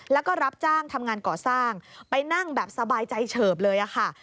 แล้วก็รับจ้างทำงานก่อสร้างไปนั่งแบบสบายใจเฉิบเลยค่ะ